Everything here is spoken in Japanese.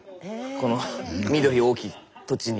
この緑多き土地に。